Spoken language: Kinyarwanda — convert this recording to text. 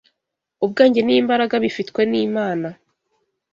Ubwenge n’imbaraga bifitwe n’Imana